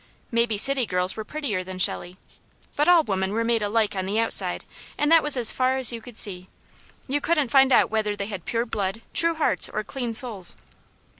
Maybe city girls were prettier than Shelley. But all women were made alike on the outside, and that was as far as you could see. You couldn't find out whether they had pure blood, true hearts, or clean souls.